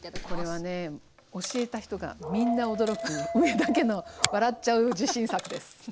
これはね教えた人がみんな驚く上田家の笑っちゃう自信作です。